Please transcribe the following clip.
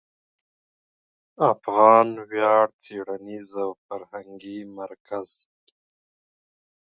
افغان ویاړ څېړنیز او فرهنګي مرکز